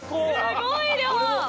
すごい量！